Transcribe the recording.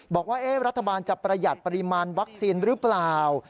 บอกว่ารัฐบาลจะประหยัดปริมาณวัคซีนหรือเปล่า